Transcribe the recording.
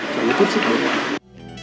trong cái tiếp xúc đối ngoại